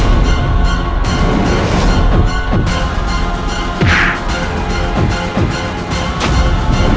untuk membuka cadar kalian